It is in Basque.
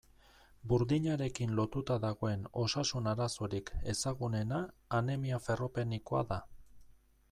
Burdinarekin lotuta dagoen osasun arazorik ezagunena anemia ferropenikoa da.